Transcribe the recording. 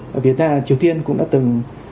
và việt nam triều tiên cũng đã từng ủng hộ